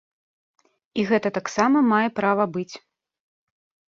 І гэта таксама мае права быць.